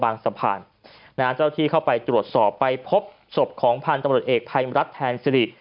ในอาจารย์ที่เข้าไปตรวจสอบไปพบศพของพันธุ์ตำรวจเอกไพรมรัฐแทนสิริ